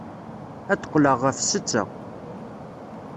Ad d-qqleɣ ɣef ssetta.